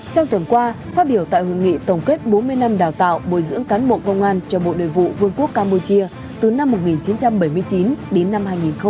trong tuần qua phát biểu tại hội nghị tổng kết bốn mươi năm đào tạo bồi dưỡng cán bộ công an cho bộ nội vụ vương quốc campuchia từ năm một nghìn chín trăm bảy mươi chín đến năm hai nghìn một mươi tám